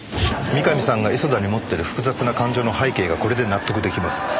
三上さんが磯田に持ってる複雑な感情の背景がこれで納得出来ます。